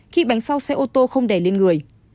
khi bánh sau xe ô tô không đè lên người